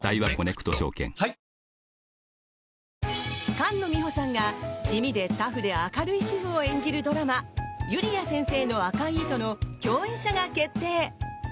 菅野美穂さんが地味でタフで明るい主婦を演じるドラマ「ゆりあ先生の赤い糸」の共演者が決定！